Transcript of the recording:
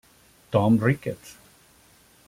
Tom Ricketts.